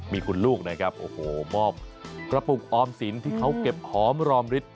มีคุณลูกนะครับโอ้โหมอบกระปุกออมสินที่เขาเก็บหอมรอมฤทธิ